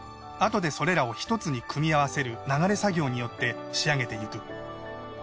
あとでそれらを一つに組み合わせる流れ作業によって仕上げていく。